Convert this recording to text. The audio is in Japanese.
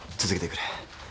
続けてくれ。